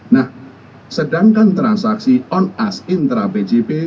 nah sedangkan transaksi on ask intrapgp